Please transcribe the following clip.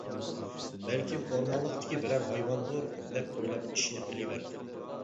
بەلكىم ئورمانلىقتىكى بىرەر ھايۋاندۇر دەپ ئويلاپ ئىشىنى قىلىۋەردى.